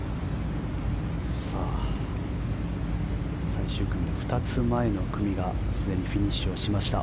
最終組の２つ前の組がすでにフィニッシュをしました。